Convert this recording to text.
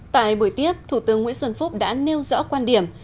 tại buổi tiếp thủ tướng nguyễn xuân phúc đã nêu rõ quan điểm